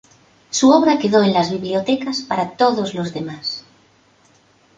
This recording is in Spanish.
Su obra quedó en las bibliotecas para todos los demás.